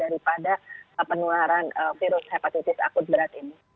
daripada penularan virus hepatitis akut berat ini